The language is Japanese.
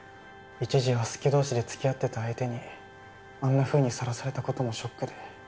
一時は好き同士でつきあってた相手にあんなふうにさらされたこともショックで。